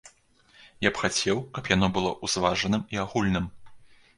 Я б хацеў, каб яно было узважаным і агульным.